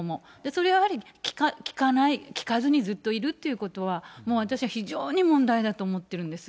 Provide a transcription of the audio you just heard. それはやはり、聞かずにずっといるということは、私は非常に問題だと思ってるんです。